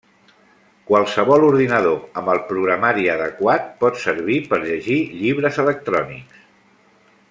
Qualsevol ordinador amb el programari adequat pot servir per llegir llibres electrònics.